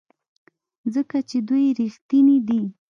ځکه چې دوی ریښتیني دي.